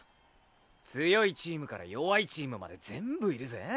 強いチームから弱いチームまで全部いるぜ。